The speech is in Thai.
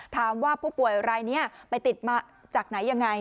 ถามว่าผู้ป่วยรายนี้ไปติดมาจากไหนยังไง